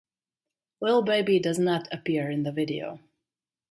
Lil Baby does not appear in the video.